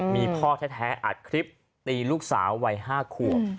มีพ่อแท้อัดคลิปตีลูกสาววัย๕ขวบ